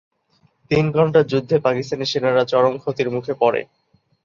তিন ঘণ্টার যুদ্ধে পাকিস্তানি সেনারা চরম ক্ষতির মুখে পড়ে।